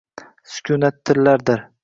Sukunat tillardir.